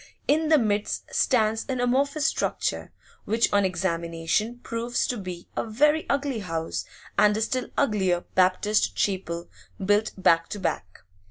In the midst stands an amorphous structure, which on examination proves to be a very ugly house and a still uglier Baptist chapel built back to back.